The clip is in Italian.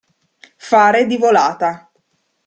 Fare di volata.